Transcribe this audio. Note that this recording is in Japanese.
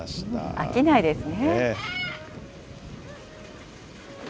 飽きないですね。